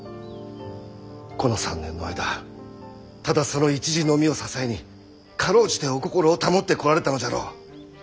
この３年の間ただその一事のみを支えに辛うじてお心を保ってこられたのじゃろう。